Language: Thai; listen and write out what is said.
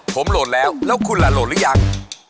ผมโหลดแล้วแล้วคุณล่ะโหลดหรือยัง